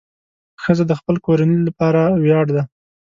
ښځه د خپل کورنۍ لپاره ویاړ ده.